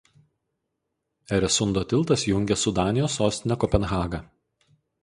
Eresundo tiltas jungia su Danijos sostine Kopenhaga.